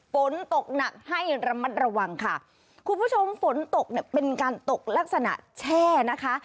ฝนตกหนักให้ระมัดระวังค่ะคุณผู้ชมฝนตกเนี่ยเป็นการตกลักษณะแช่นะคะ